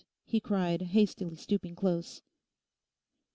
he cried, hastily stooping close.